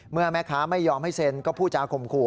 แม่ค้าไม่ยอมให้เซ็นก็พูดจาข่มขู่